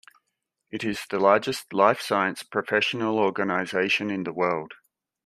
It is the largest life science professional organization in the world.